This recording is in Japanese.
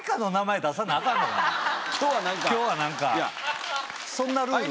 今日は何かそんなルール？